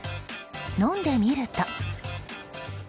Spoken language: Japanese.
飲んでみると？